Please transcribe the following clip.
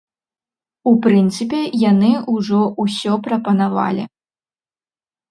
У прынцыпе, яны ўжо ўсё прапанавалі.